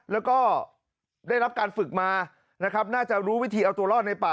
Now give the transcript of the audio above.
แล้วก็ได้รับการฝึกมานะครับน่าจะรู้วิธีเอาตัวรอดในป่า